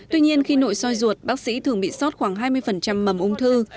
tuy nhiên khi nội soi ruột bác sĩ thường bị sót khoảng hai mươi mầm ung thư